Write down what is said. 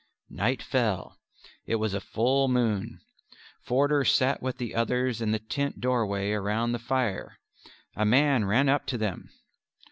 Night fell; it was a full moon. Forder sat with the others in the tent doorway round the fire. A man ran up to them.